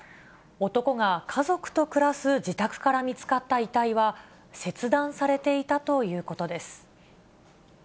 男が家族と暮らす自宅から見つかった遺体は、切断されていたということです。